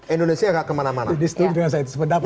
indonesia nggak kemana mana